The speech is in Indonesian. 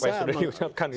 apa yang sudah diucapkan itu